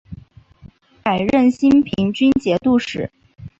改任兴平军节度使。